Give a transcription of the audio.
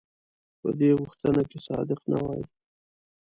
په دې غوښتنه کې صادق نه وای.